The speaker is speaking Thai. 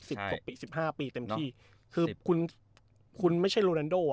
สิบห้าปีเต็มที่คือคุณคุณไม่ใช่โรนันโดอ่ะ